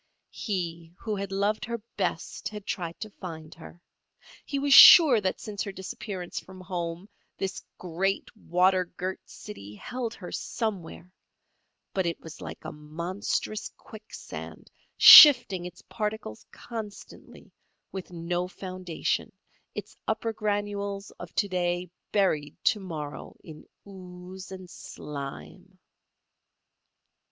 He who had loved her best had tried to find her. He was sure that since her disappearance from home this great, water girt city held her somewhere, but it was like a monstrous quicksand, shifting its particles constantly, with no foundation, its upper granules of to day buried to morrow in ooze and slime.